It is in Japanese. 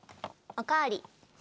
お代わり。